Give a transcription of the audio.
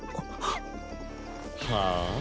はあ？